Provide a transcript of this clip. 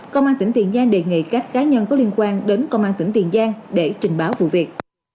công an tỉnh tiền giang đề nghị các cá nhân có liên quan đến công an tỉnh tiền giang để trình báo vụ việc